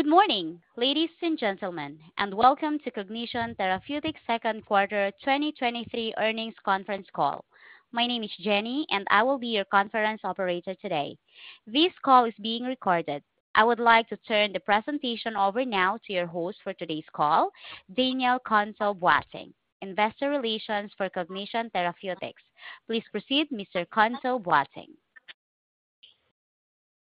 Good morning, ladies and gentlemen, and welcome to Cognition Therapeutics' Second Quarter 2023 Earnings Conference Call. My name is Jenny, and I will be your conference operator today. This call is being recorded. I would like to turn the presentation over now to your host for today's call, Daniel Kontoh-Boateng, investor relations for Cognition Therapeutics. Please proceed, Mr. Kontoh-Boateng.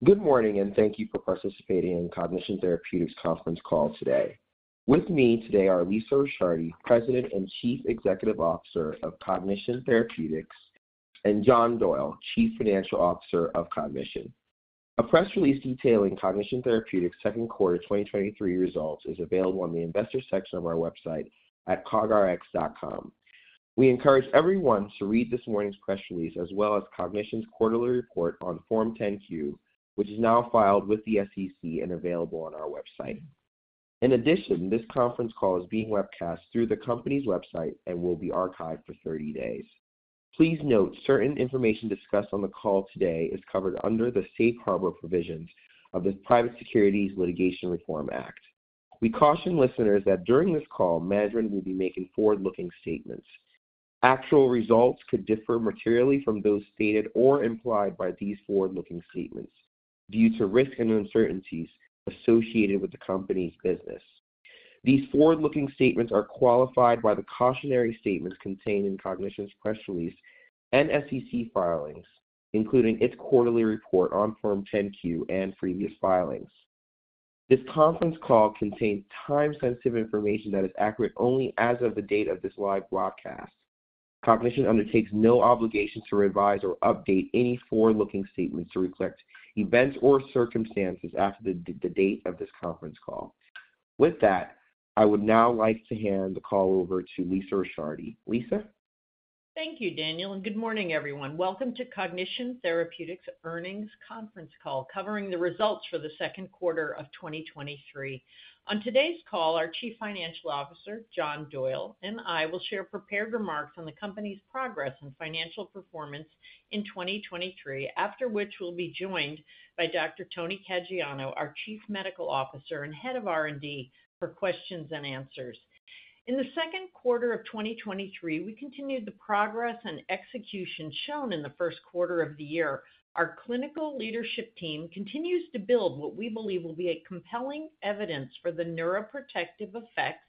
Good morning, and thank you for participating in Cognition Therapeutics conference call today. With me today are Lisa Ricciardi, President and Chief Executive Officer of Cognition Therapeutics, and John Doyle, Chief Financial Officer of Cognition. A press release detailing Cognition Therapeutics second quarter 2023 results is available on the investor section of our website at cogrx.com. We encourage everyone to read this morning's press release, as well as Cognition's quarterly report on Form 10-Q, which is now filed with the SEC and available on our website. In addition, this conference call is being webcast through the company's website and will be archived for 30 days. Please note, certain information discussed on the call today is covered under the safe harbor provisions of the Private Securities Litigation Reform Act. We caution listeners that during this call, management will be making forward-looking statements. Actual results could differ materially from those stated or implied by these forward-looking statements due to risks and uncertainties associated with the company's business. These forward-looking statements are qualified by the cautionary statements contained in Cognition's press release and SEC filings, including its quarterly report on Form 10-Q and previous filings. This conference call contains time-sensitive information that is accurate only as of the date of this live broadcast. Cognition undertakes no obligation to revise or update any forward-looking statements to reflect events or circumstances after the date of this conference call. With that, I would now like to hand the call over to Lisa Ricciardi. Lisa? Thank you, Daniel. Good morning, everyone. Welcome to Cognition Therapeutics Earnings Conference Call, covering the results for the second quarter of 2023. On today's call, our Chief Financial Officer, John Doyle, and I will share prepared remarks on the company's progress and financial performance in 2023, after which we'll be joined by Dr. Tony Caggiano, our Chief Medical Officer and Head of R&D, for questions and answers. In the second quarter of 2023, we continued the progress and execution shown in the first quarter of the year. Our clinical leadership team continues to build what we believe will be a compelling evidence for the neuroprotective effects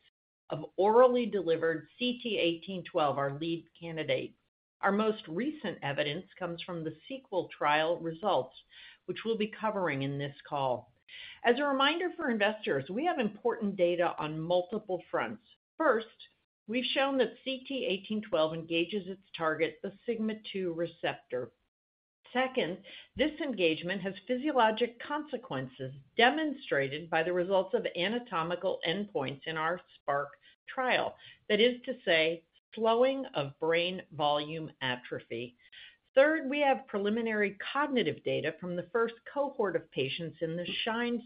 of orally delivered CT1812, our lead candidate. Our most recent evidence comes from the SEQUEL trial results, which we'll be covering in this call. As a reminder for investors, we have important data on multiple fronts. First, we've shown that CT1812 engages its target, the sigma-2 receptor. Second, this engagement has physiologic consequences, demonstrated by the results of anatomical endpoints in our SPARC trial. That is to say, slowing of brain volume atrophy. Third, we have preliminary cognitive data from the first cohort of patients in the SHINE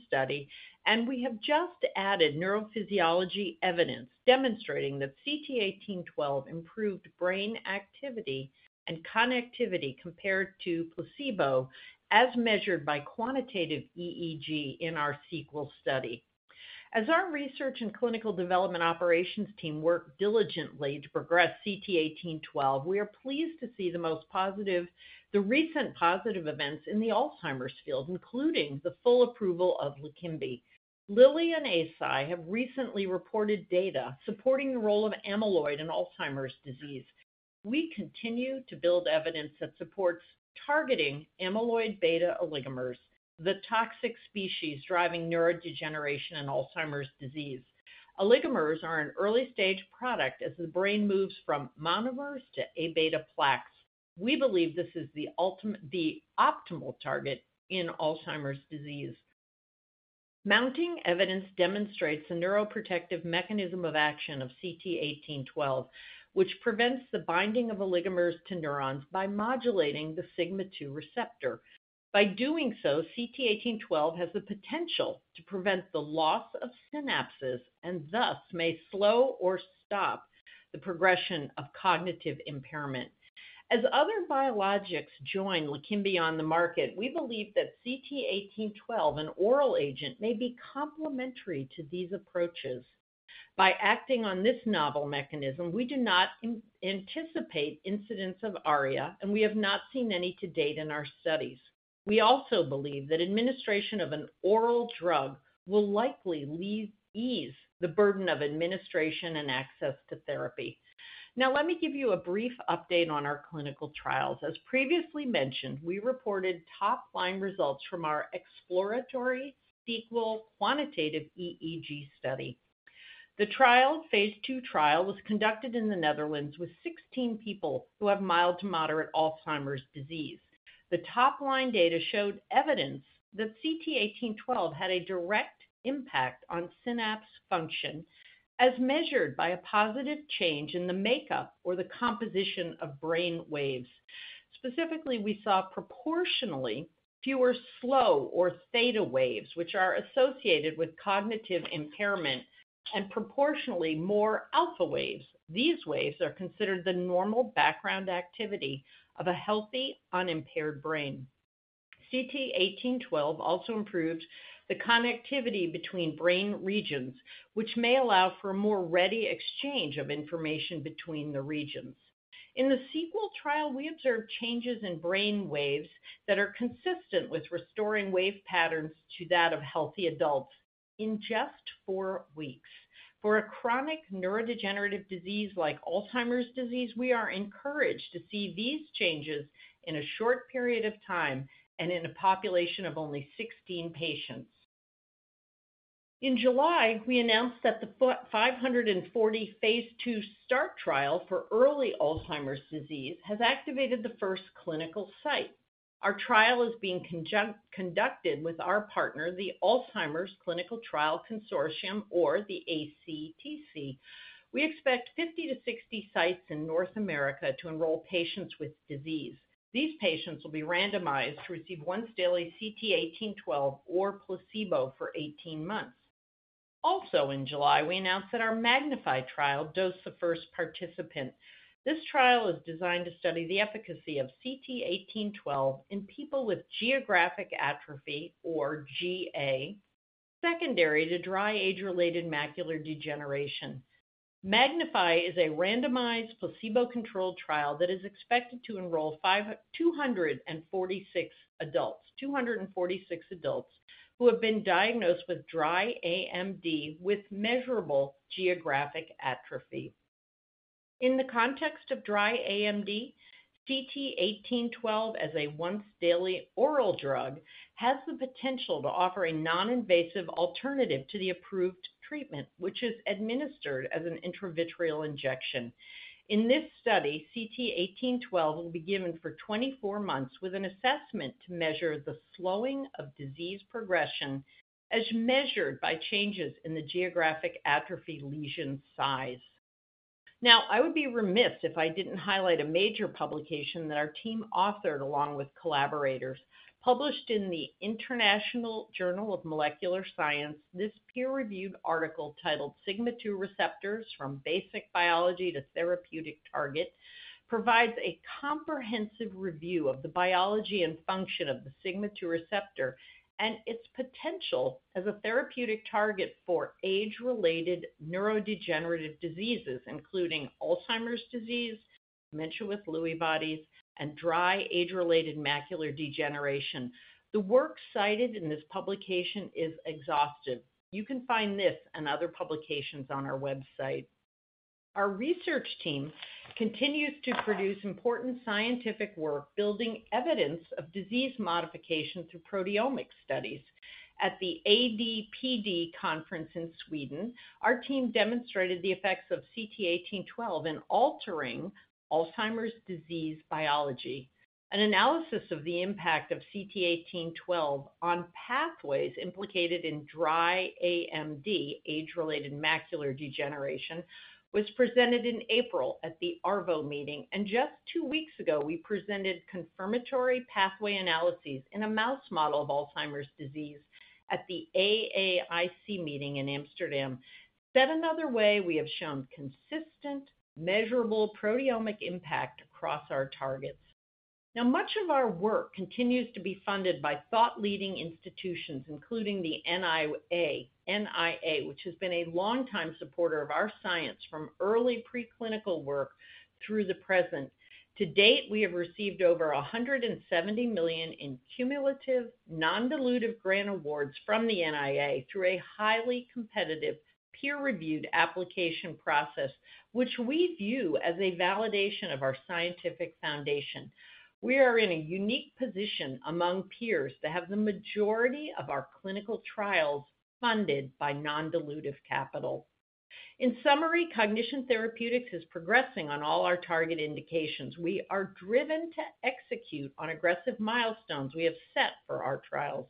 study. We have just added neurophysiology evidence demonstrating that CT1812 improved brain activity and connectivity compared to placebo, as measured by quantitative EEG in our SEQUEL study. As our research and clinical development operations team work diligently to progress CT1812, we are pleased to see the recent positive events in the Alzheimer's field, including the full approval of LEQEMBI. Lilly and Eisai have recently reported data supporting the role of amyloid in Alzheimer's disease. We continue to build evidence that supports targeting amyloid beta oligomers, the toxic species driving neurodegeneration in Alzheimer's disease. Oligomers are an early-stage product as the brain moves from monomers to Aβ plaques. We believe this is the optimal target in Alzheimer's disease. Mounting evidence demonstrates the neuroprotective mechanism of action of CT1812, which prevents the binding of oligomers to neurons by modulating the sigma-2 receptor. By doing so, CT1812 has the potential to prevent the loss of synapses and thus may slow or stop the progression of cognitive impairment. Other biologics join LEQEMBI on the market, we believe that CT1812, an oral agent, may be complementary to these approaches. By acting on this novel mechanism, we do not anticipate incidents of ARIA, and we have not seen any to date in our studies. We also believe that administration of an oral drug will likely ease the burden of administration and access to therapy. Let me give you a brief update on our clinical trials. As previously mentioned, we reported top-line results from our exploratory SEQUEL quantitative EEG study. The trial, phase II trial, was conducted in the Netherlands with 16 people who have mild to moderate Alzheimer's disease. The top-line data showed evidence that CT1812 had a direct impact on synapse function, as measured by a positive change in the makeup or the composition of brain waves. Specifically, we saw proportionally fewer slow or theta waves, which are associated with cognitive impairment, and proportionally more alpha waves. These waves are considered the normal background activity of a healthy, unimpaired brain. CT1812 also improves the connectivity between brain regions, which may allow for a more ready exchange of information between the regions. In the SEQUEL trial, we observed changes in brain waves that are consistent with restoring wave patterns to that of healthy adults in just four weeks. For a chronic neurodegenerative disease like Alzheimer's disease, we are encouraged to see these changes in a short period of time and in a population of only 16 patients. In July, we announced that the 540, phase II START trial for early Alzheimer's disease, has activated the first clinical site. Our trial is being conducted with our partner, the Alzheimer's Clinical Trial Consortium, or the ACTC. We expect 50 to 60 sites in North America to enroll patients with disease. These patients will be randomized to receive once daily CT1812 or placebo for 18 months. Also, in July, we announced that our MAGNIFY trial dosed the first participant. This trial is designed to study the efficacy of CT1812 in people with geographic atrophy, or GA, secondary to dry age-related macular degeneration. MAGNIFY is a randomized, placebo-controlled trial that is expected to enroll 246 adults. 246 adults who have been diagnosed with dry AMD, with measurable geographic atrophy. In the context of dry AMD, CT1812, as a once daily oral drug, has the potential to offer a non-invasive alternative to the approved treatment, which is administered as an intravitreal injection. In this study, CT1812 will be given for 24 months with an assessment to measure the slowing of disease progression, as measured by changes in the geographic atrophy lesion size. Now, I would be remiss if I didn't highlight a major publication that our team authored, along with collaborators. Published in the International Journal of Molecular Sciences, this peer-reviewed article, titled "Sigma-2 Receptors: From Basic Biology to Therapeutic Targets," provides a comprehensive review of the biology and function of the sigma-2 receptor and its potential as a therapeutic target for age-related neurodegenerative diseases, including Alzheimer's disease, dementia with Lewy bodies, and dry age-related macular degeneration. The work cited in this publication is exhaustive. You can find this and other publications on our website. Our research team continues to produce important scientific work, building evidence of disease modification through proteomic studies. At the AD/PD conference in Sweden, our team demonstrated the effects of CT1812 in altering Alzheimer's disease biology. An analysis of the impact of CT1812 on pathways implicated in dry AMD, age-related macular degeneration, was presented in April at the ARVO meeting. Just two weeks ago, we presented confirmatory pathway analyses in a mouse model of Alzheimer's disease at the AAIC meeting in Amsterdam. Said another way, we have shown consistent, measurable proteomic impact across our targets. Much of our work continues to be funded by thought-leading institutions, including the NIA, which has been a longtime supporter of our science from early preclinical work through the present. To date, we have received over $170 million in cumulative non-dilutive grant awards from the NIA through a highly competitive, peer-reviewed application process, which we view as a validation of our scientific foundation. We are in a unique position among peers to have the majority of our clinical trials funded by non-dilutive capital. In summary, Cognition Therapeutics is progressing on all our target indications. We are driven to execute on aggressive milestones we have set for our trials.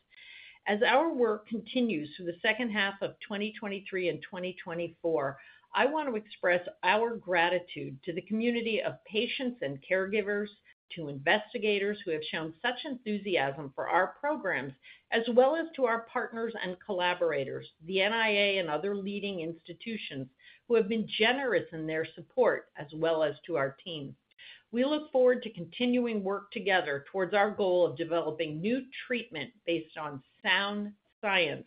As our work continues through the second half of 2023 and 2024, I want to express our gratitude to the community of patients and caregivers, to investigators who have shown such enthusiasm for our programs, as well as to our partners and collaborators, the NIA and other leading institutions, who have been generous in their support, as well as to our team. We look forward to continuing work together towards our goal of developing new treatment, based on sound science,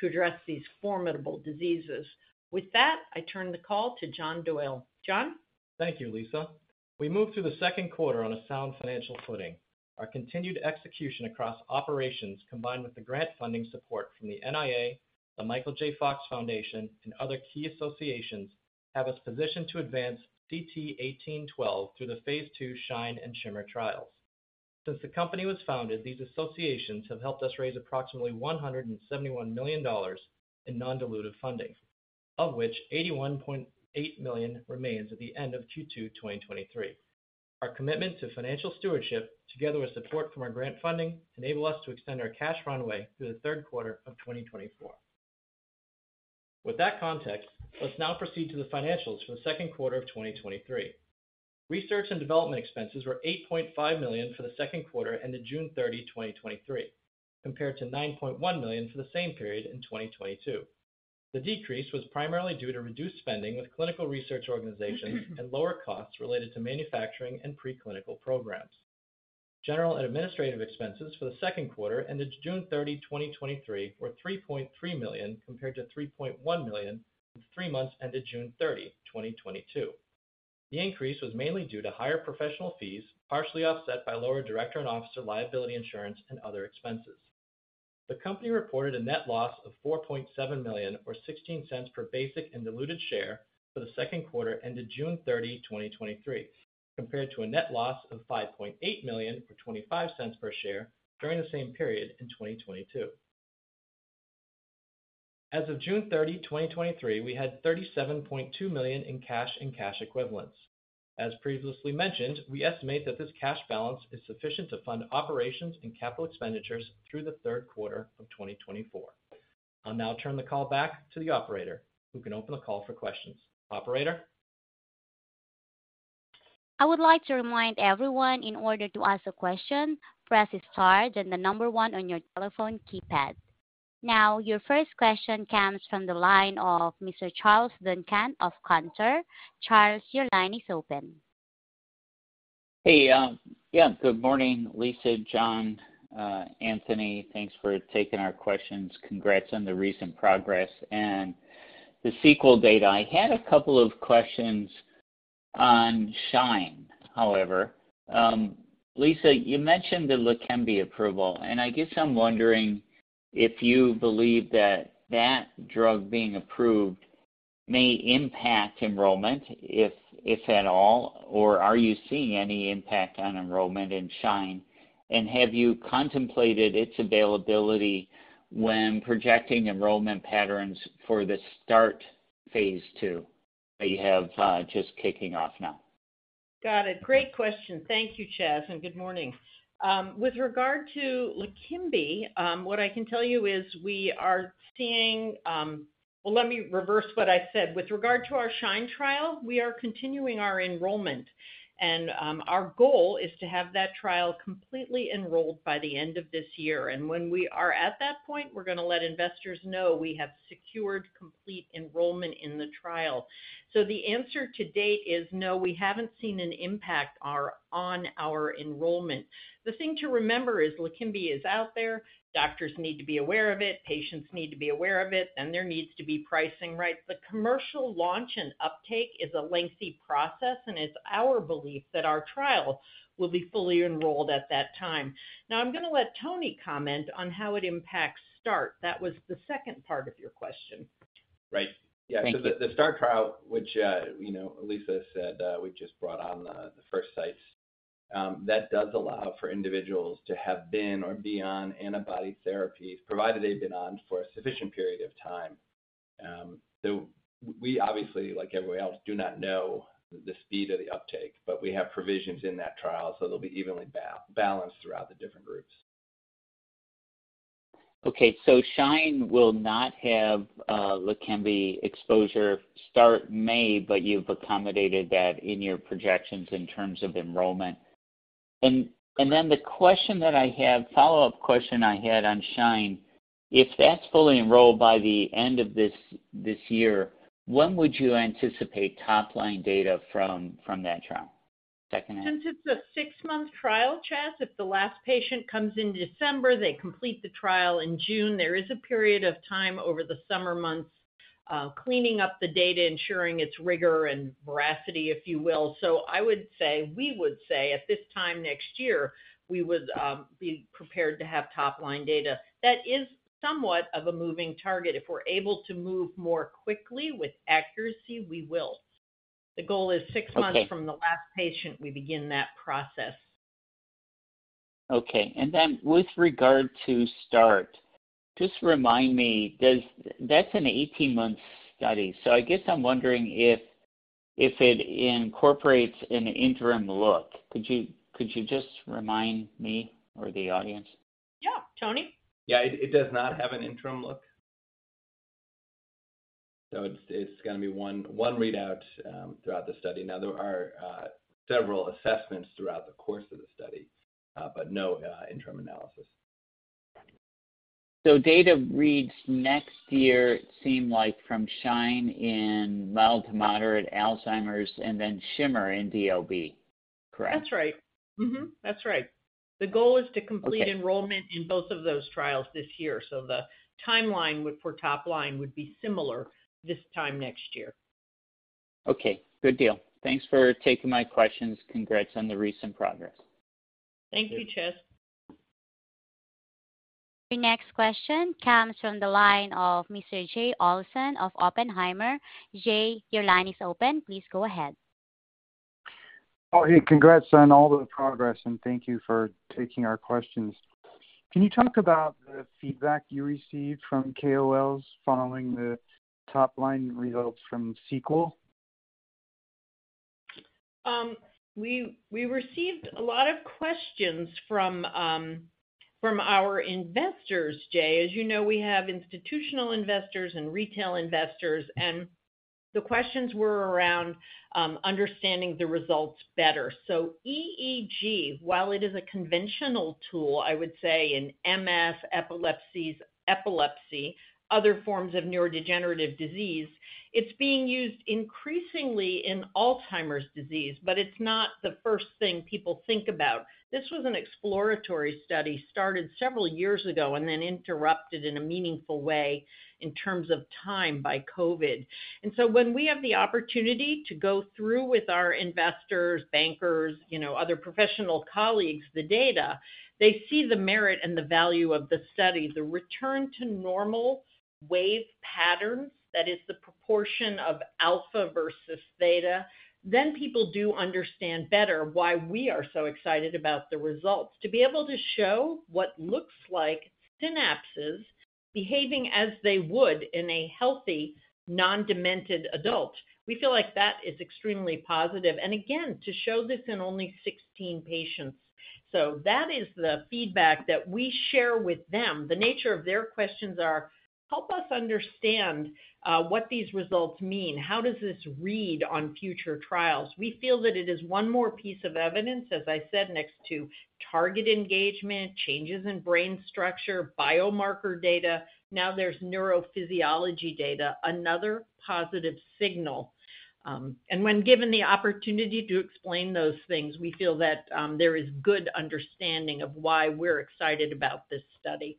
to address these formidable diseases. With that, I turn the call to John Doyle. John? Thank you, Lisa. We moved through the second quarter on a sound financial footing. Our continued execution across operations, combined with the grant funding support from the NIA, the Michael J. Fox Foundation, and other key associations, have us positioned to advance CT1812 through the phase II SHINE and SHIMMER trials. Since the company was founded, these associations have helped us raise approximately $171 million in non-dilutive funding, of which $81.8 million remains at the end of Q2 2023. Our commitment to financial stewardship, together with support from our grant funding, enable us to extend our cash runway through the third quarter of 2024. With that context, let's now proceed to the financials for the second quarter of 2023. Research and development expenses were $8.5 million for the second quarter and the June 30th, 2023.... compared to $9.1 million for the same period in 2022. The decrease was primarily due to reduced spending with clinical research organizations and lower costs related to manufacturing and preclinical programs. General and administrative expenses for the second quarter ended June 30th, 2023, were $3.3 million, compared to $3.1 million in the three months ended June 30th, 2022. The increase was mainly due to higher professional fees, partially offset by lower director and officer liability insurance and other expenses. The company reported a net loss of $4.7 million, or $0.16 per basic and diluted share for the second quarter ended June 30th, 2023, compared to a net loss of $5.8 million, or $0.25 per share during the same period in 2022. As of June 30th, 2023, we had $37.2 million in cash and cash equivalents. As previously mentioned, we estimate that this cash balance is sufficient to fund operations and capital expenditures through the third quarter of 2024. I'll now turn the call back to the operator, who can open the call for questions. Operator? I would like to remind everyone, in order to ask a question, press star, then the number one on your telephone keypad. Your first question comes from the line of Mr. Charles Duncan of Cantor. Charles, your line is open. Hey, yeah, good morning, Lisa, John and Tony. Thanks for taking our questions. Congrats on the recent progress and the SEQUEL data. I had a couple of questions on SHINE, however. Lisa, you mentioned the LEQEMBI approval, and I guess I'm wondering if you believe that that drug being approved may impact enrollment, if, if at all, or are you seeing any impact on enrollment in SHINE? Have you contemplated its availability when projecting enrollment patterns for the START phase II that you have just kicking off now? Got it. Great question. Thank you, Charles. Good morning. With regard to LEQEMBI, what I can tell you is we are seeing... Well, let me reverse what I said. With regard to our SHINE trial, we are continuing our enrollment, and our goal is to have that trial completely enrolled by the end of this year. When we are at that point, we're going to let investors know we have secured complete enrollment in the trial. The answer to date is no, we haven't seen an impact on our enrollment. The thing to remember is, LEQEMBI is out there. Doctors need to be aware of it, patients need to be aware of it, and there needs to be pricing, right? The commercial launch and uptake is a lengthy process, and it's our belief that our trial will be fully enrolled at that time. I'm going to let Tony comment on how it impacts START. That was the second part of your question. Right. Thank you. Yeah, so the START trial, which, you know, Lisa said, we've just brought on the first sites, that does allow for individuals to have been or be on antibody therapy, provided they've been on for a sufficient period of time. We obviously, like everybody else, do not know the speed of the uptake, but we have provisions in that trial, so they'll be evenly balanced throughout the different groups. SHINE will not have LEQEMBI exposure. START may, but you've accommodated that in your projections in terms of enrollment. The question that I have, follow-up question I had on SHINE: If that's fully enrolled by the end of this year, when would you anticipate top-line data from that trial? Second half- Since it's a six-month trial, Charles, if the last patient comes in December, they complete the trial in June. There is a period of time over the summer months, cleaning up the data, ensuring its rigor and veracity, if you will. I would say, we would say, at this time next year, we would be prepared to have top-line data. That is somewhat of a moving target. If we're able to move more quickly with accuracy, we will. Okay. The goal is six months from the last patient, we begin that process. Okay. Then with regard to START, just remind me, That's an 18-month study, so I guess I'm wondering if it incorporates an interim look. Could you just remind me or the audience? Yeah. Tony? Yeah, it, it does not have an interim look. It's, it's going to be one, one readout throughout the study. There are several assessments throughout the course of the study, but no interim analysis. Data reads next year, it seem like from SHINE in mild to moderate Alzheimer's and then SHIMMER in DLB. Correct? That's right. Mm-hmm, that's right. Okay. The goal is to complete enrollment in both of those trials this year, so the timeline would, for top line, would be similar this time next year. Okay, good deal. Thanks for taking my questions. Congrats on the recent progress. Thank you, Charles. Your next question comes from the line of Mr. Jay Olson of Oppenheimer. Jay, your line is open. Please go ahead. Oh, hey, congrats on all the progress. Thank you for taking our questions. Can you talk about the feedback you received from KOLs following the top-line results from SEQUEL? We, we received a lot of questions from, from our investors, Jay. As you know, we have institutional investors and retail investors. The questions were around understanding the results better. EEG, while it is a conventional tool, I would say in MS, epilepsies, epilepsy, other forms of neurodegenerative disease, it's being used increasingly in Alzheimer's disease, but it's not the first thing people think about. This was an exploratory study, started several years ago and then interrupted in a meaningful way in terms of time by COVID. When we have the opportunity to go through with our investors, bankers, you know, other professional colleagues, the data, they see the merit and the value of the study, the return to normal wave patterns, that is the proportion of alpha versus theta. People do understand better why we are so excited about the results. To be able to show what looks like synapses behaving as they would in a healthy, non-demented adult, we feel like that is extremely positive, and again, to show this in only 16 patients. That is the feedback that we share with them. The nature of their questions are: Help us understand what these results mean. How does this read on future trials? We feel that it is one more piece of evidence, as I said, next to target engagement, changes in brain structure, biomarker data. Now there's neurophysiology data, another positive signal. When given the opportunity to explain those things, we feel that there is good understanding of why we're excited about this study.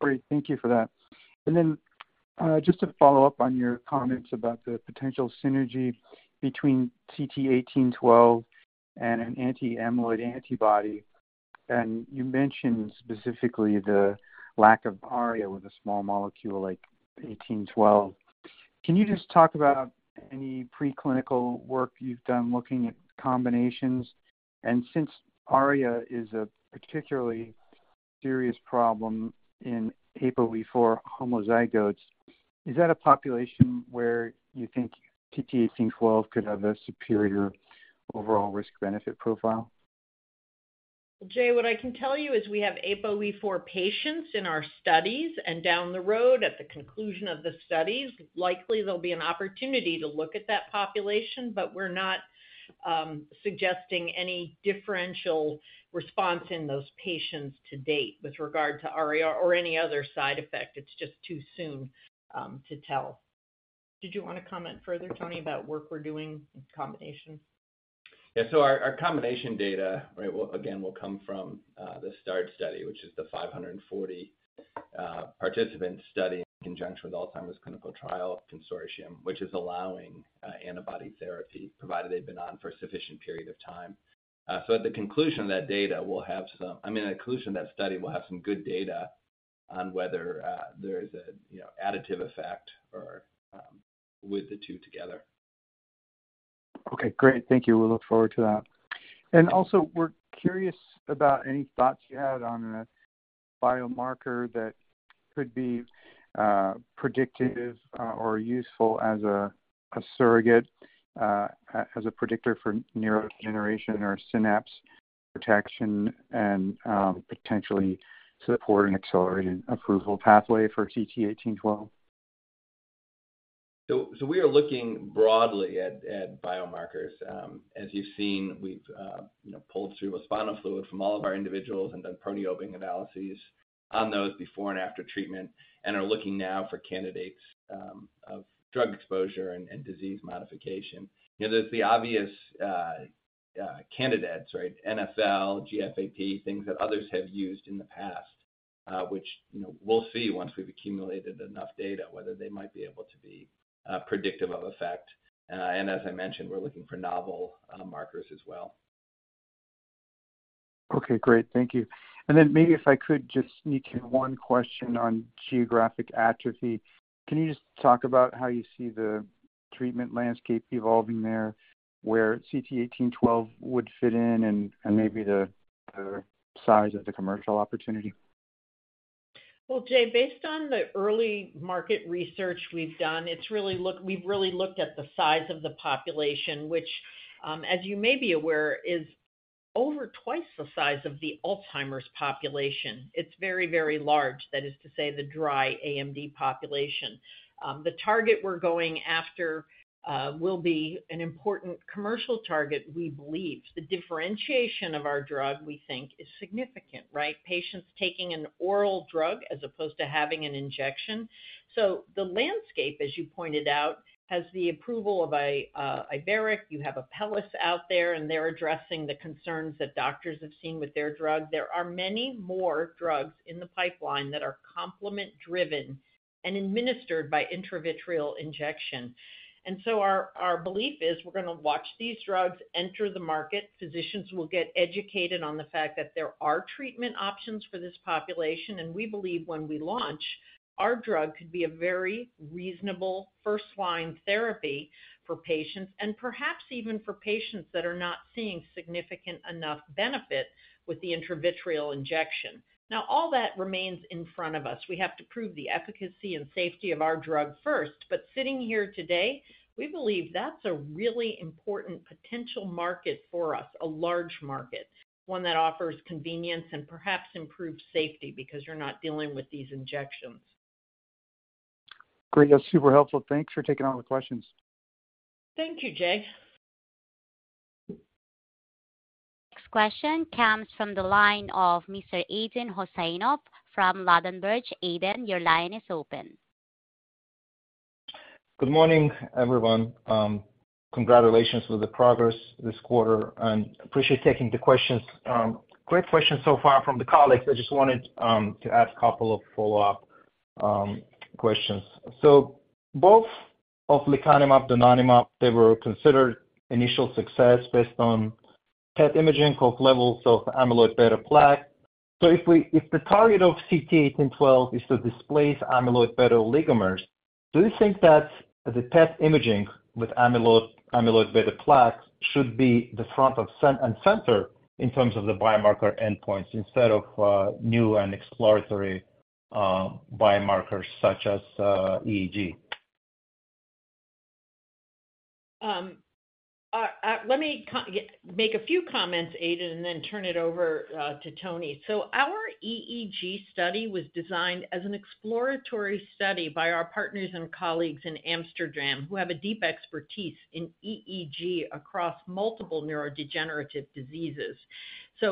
Great, thank you for that. Just to follow up on your comments about the potential synergy between CT1812 and an anti-amyloid antibody, and you mentioned specifically the lack of ARIA with a small molecule like 1812. Can you just talk about any preclinical work you've done looking at combinations? Since ARIA is a particularly serious problem in APOE4 homozygotes, is that a population where you think CT1812 could have a superior overall risk-benefit profile? Jay, what I can tell you is we have APOE4 patients in our studies, and down the road, at the conclusion of the studies, likely there'll be an opportunity to look at that population. But we're not suggesting any differential response in those patients to date with regard to ARIA or any other side effect. It's just too soon to tell. Did you want to comment further, Tony, about work we're doing in combination? Yeah, our, our combination data, right, will again, will come from, the START study, which is the 540, participant study in conjunction with Alzheimer's Clinical Trials Consortium, which is allowing, antibody therapy, provided they've been on for a sufficient period of time. At the conclusion of that data, we'll have some. I mean, at the conclusion of that study, we'll have some good data on whether, there is a, you know, additive effect or, with the two together. Okay, great. Thank you. We look forward to that. Also, we're curious about any thoughts you had on a biomarker that could be predictive or useful as a surrogate as a predictor for neurodegeneration or synapse protection, and potentially support an accelerated approval pathway for CT1812. So we are looking broadly at biomarkers. As you've seen, we've, you know, pulled cerebrospinal fluid from all of our individuals and done proteomic analyses on those before and after treatment, and are looking now for candidates of drug exposure and disease modification. You know, there's the obvious candidates, right? NfL, GFAP, things that others have used in the past, which, you know, we'll see once we've accumulated enough data, whether they might be able to be predictive of effect. As I mentioned, we're looking for novel markers as well. Okay, great. Thank you. Then maybe if I could just sneak in one question on geographic atrophy. Can you just talk about how you see the treatment landscape evolving there, where CT1812 would fit in, and maybe the size of the commercial opportunity? Well, Jay, based on the early market research we've done, it's really we've really looked at the size of the population, which, as you may be aware, is over twice the size of the Alzheimer's population. It's very, very large. That is to say, the dry AMD population. The target we're going after, will be an important commercial target, we believe. The differentiation of our drug, we think, is significant, right? Patients taking an oral drug as opposed to having an injection. The landscape, as you pointed out, has the approval of Iveric. You have Apellis out there, they're addressing the concerns that doctors have seen with their drug. There are many more drugs in the pipeline that are complement-driven and administered by intravitreal injection. Our, our belief is we're going to watch these drugs enter the market. Physicians will get educated on the fact that there are treatment options for this population, and we believe when we launch, our drug could be a very reasonable first-line therapy for patients and perhaps even for patients that are not seeing significant enough benefit with the intravitreal injection. Now, all that remains in front of us. We have to prove the efficacy and safety of our drug first. Sitting here today, we believe that's a really important potential market for us, a large market, one that offers convenience and perhaps improved safety because you're not dealing with these injections. Great, that's super helpful. Thanks for taking all the questions. Thank you, Jake. Next question comes from the line of Mr. Aydin Huseynov from Ladenburg. Aydin, your line is open. Good morning, everyone. Congratulations on the progress this quarter. Appreciate taking the questions. Great questions so far from the colleagues. I just wanted to ask a couple of follow-up questions. Both of lecanemab, donanemab, they were considered initial success based on PET imaging, centiloid levels of amyloid beta plaque. If the target of CT1812 is to displace amyloid beta oligomers, do you think that the PET imaging with amyloid, amyloid beta plaque should be the front of center and center in terms of the biomarker endpoints instead of new and exploratory biomarkers such as EEG? Let me make a few comments, Aydin, and then turn it over to Tony. Our EEG study was designed as an exploratory study by our partners and colleagues in Amsterdam, who have a deep expertise in EEG across multiple neurodegenerative diseases.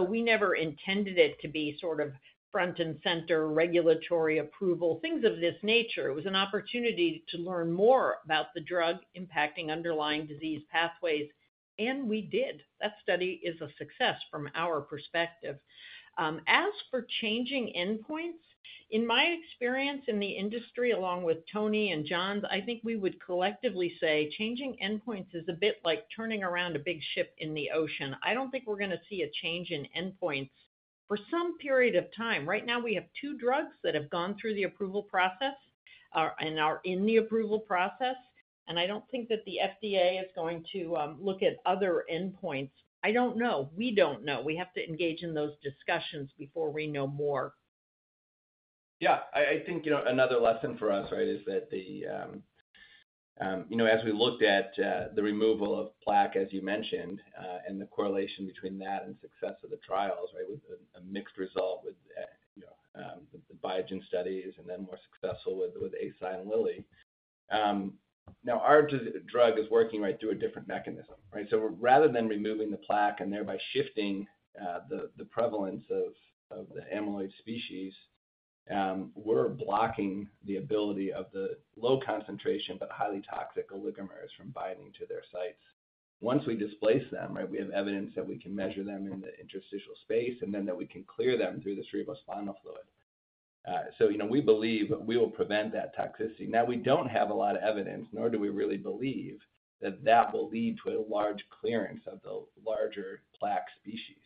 We never intended it to be sort of front and center, regulatory approval, things of this nature. It was an opportunity to learn more about the drug impacting underlying disease pathways, and we did. That study is a success from our perspective. As for changing endpoints, in my experience in the industry, along with Tony and Johns, I think we would collectively say changing endpoints is a bit like turning around a big ship in the ocean. I don't think we're gonna see a change in endpoints for some period of time. Right now, we have two drugs that have gone through the approval process, and are in the approval process, and I don't think that the FDA is going to look at other endpoints. I don't know. We don't know. We have to engage in those discussions before we know more. Yeah, I think another lesson for us, right, is that the, you know, as we looked at the removal of plaque, as you mentioned, and the correlation between that and success of the trials, right, with a mixed result with, you know, the Biogen studies and then more successful with Eisai and Lilly. Now our drug is working right through a different mechanism, right? Rather than removing the plaque and thereby shifting the prevalence of the amyloid species, we're blocking the ability of the low concentration, but highly toxic oligomers from binding to their sites. Once we displace them, right, we have evidence that we can measure them in the interstitial space, and then that we can clear them through the cerebrospinal fluid. You know, we believe we will prevent that toxicity. Now, we don't have a lot of evidence, nor do we really believe that that will lead to a large clearance of the larger plaque species.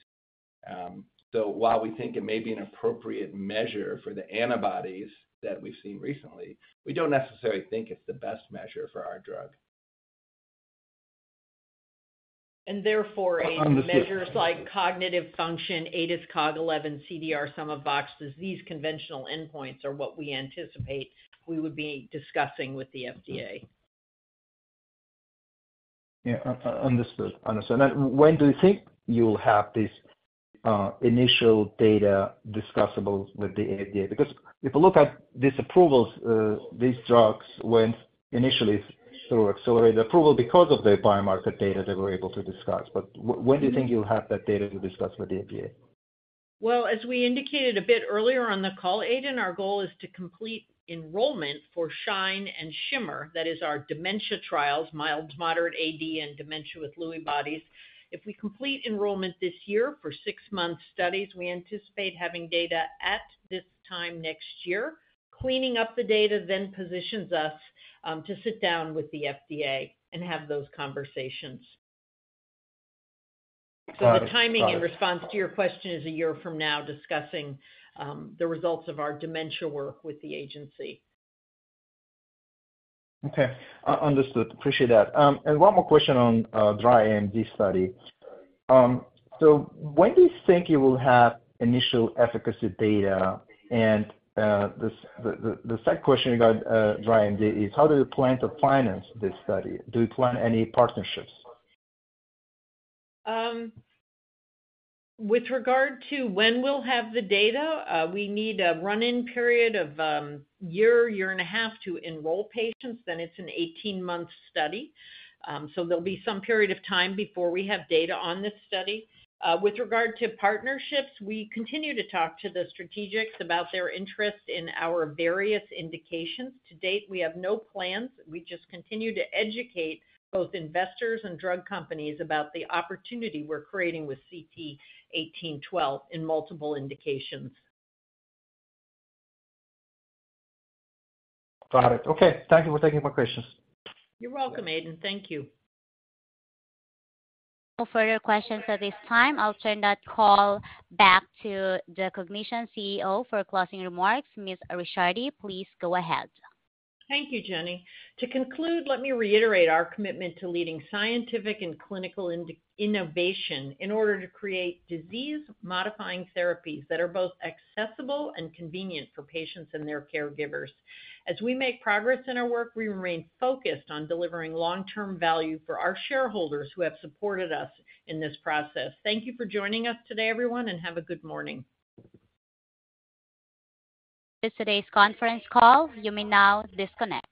While we think it may be an appropriate measure for the antibodies that we've seen recently, we don't necessarily think it's the best measure for our drug. And therefore measures like cognitive function, ADAS-Cog 11, CDR-SB, these conventional endpoints are what we anticipate we would be discussing with the FDA. Yeah, understood. Understood. When do you think you'll have this, initial data discussable with the FDA? Because if you look at these approvals, these drugs went initially through accelerated approval because of the biomarker data they were able to discuss. When do you think you'll have that data to discuss with the FDA? Well, as we indicated a bit earlier on the call, Aydin, our goal is to complete enrollment for SHINE and SHIMMER. That is our dementia trials, mild-to-moderate AD and dementia with Lewy bodies. If we complete enrollment this year for six-month studies, we anticipate having data at this time next year. Cleaning up the data then positions us to sit down with the FDA and have those conversations. Got it. The timing, in response to your question, is a year from now, discussing the results of our dementia work with the agency. Okay, understood. Appreciate that. One more question on dry AMD study. When do you think you will have initial efficacy data? The second question about dry AMD is: How do you plan to finance this study? Do you plan any partnerships? With regard to when we'll have the data, we need a run-in period of year, year and a half to enroll patients. It's an 18-month study. There'll be some period of time before we have data on this study. With regard to partnerships, we continue to talk to the strategics about their interest in our various indications. To date, we have no plans. We just continue to educate both investors and drug companies about the opportunity we're creating with CT1812 in multiple indications. Got it. Okay, thank you for taking my questions. You're welcome, Aydin. Thank you. No further questions at this time. I'll turn that call back to the Cognition CEO for closing remarks. Ms. Ricciardi, please go ahead. Thank you, Jenny. To conclude, let me reiterate our commitment to leading scientific and clinical innovation in order to create disease-modifying therapies that are both accessible and convenient for patients and their caregivers. As we make progress in our work, we remain focused on delivering long-term value for our shareholders who have supported us in this process. Thank you for joining us today, everyone, and have a good morning. This today's conference call. You may now disconnect.